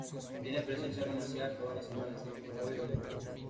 Tiene presencia comercial toda la semana excepto sábado y domingo.